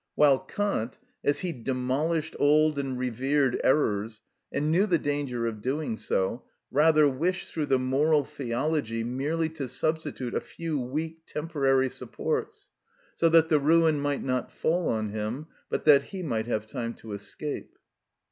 while Kant, as he demolished old and revered errors, and knew the danger of doing so, rather wished through the moral theology merely to substitute a few weak temporary supports, so that the ruin might not fall on him, but that he might have time to escape.